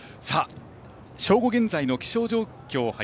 正午現在の気象状況です。